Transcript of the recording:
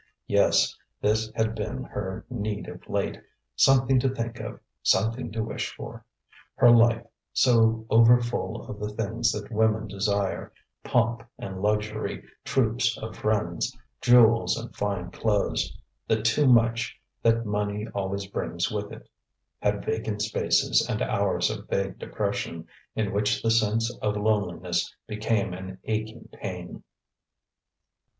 Yes, this had been her need of late something to think of, something to wish for. Her life so over full of the things that women desire, pomp and luxury, troops of friends, jewels and fine clothes, the "too much" that money always brings with it had vacant spaces, and hours of vague depression, in which the sense of loneliness became an aching pain.